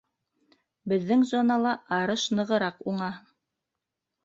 Беҙҙең зонала арыш нығыраҡ уңа.